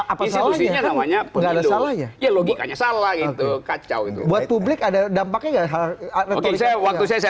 assured semuanya perang saling erogatnya salah itu kacau buat publik ada dampaknya tadi saya waktu saya